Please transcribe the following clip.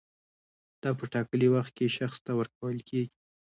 دا په ټاکلي وخت کې شخص ته ورکول کیږي.